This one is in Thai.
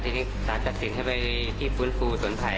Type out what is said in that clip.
เสียบยาที่นี่ต้านจัดเสนอให้ไปที่วุ้นฟูสวนไพร